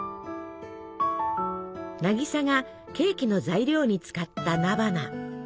渚がケーキの材料に使った菜花。